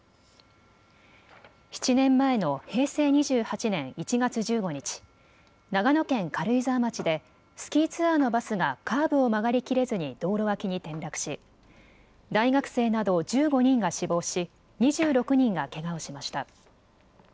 ７年前の平成２８年１月１５日、長野県軽井沢町でスキーツアーのバスがカーブを曲がりきれずに道路脇に転落し大学生など１５人が死亡し２６人がけがをしました。